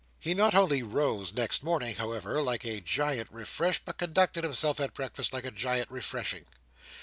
He not only rose next morning, however, like a giant refreshed, but conducted himself, at breakfast like a giant refreshing.